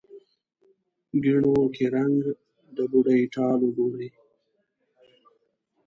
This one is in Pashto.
ګېڼو کې رنګ، د بوډۍ ټال وګورې